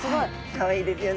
かわいいですよね。